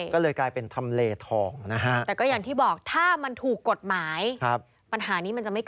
ก็เลยกลายเป็นทำเลทองนะฮะ